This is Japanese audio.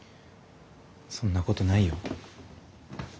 そんなことないよ。